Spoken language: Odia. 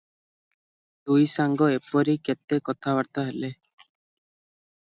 ଦୁଇସାଙ୍ଗ ଏପରି କେତେ କଥାବାର୍ତ୍ତା ହେଲେ ।